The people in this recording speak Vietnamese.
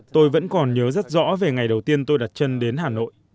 tôi vẫn còn nhớ rất rõ về ngày đầu tiên tôi đặt chân đến hà nội